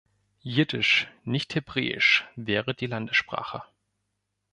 Jiddisch, nicht Hebräisch, wäre die Landessprache.